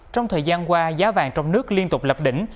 trong thời gian qua giá vàng trong nước liên tục lập đỉnh